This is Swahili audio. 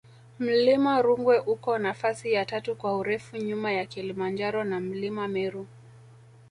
mlima rungwe uko nafasi ya tatu kwa urefu nyuma ya kilimanjaro na mlima meru